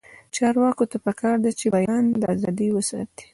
چارواکو ته پکار ده چې، بیان ازادي وساتي.